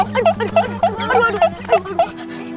aduh aduh aduh